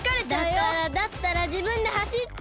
だからだったらじぶんではしってよ！